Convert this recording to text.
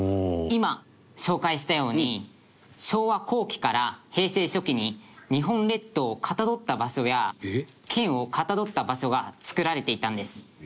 今紹介したように昭和後期から平成初期に日本列島をかたどった場所や県をかたどった場所が作られていたんです。